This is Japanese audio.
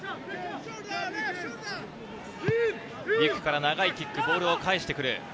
リュキュから長いキック、ボールを返してくる。